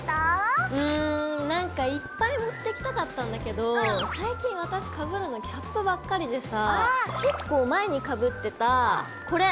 うんなんかいっぱい持ってきたかったんだけど最近私かぶるのキャップばっかりでさぁ結構前にかぶってたこれ！